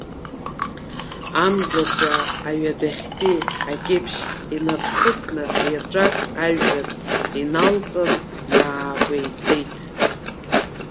Амзаҿа аҩадахьтәи акьыԥшь инацәхыкны еҵәак ажәҩан иналҵын иаакәеицеит.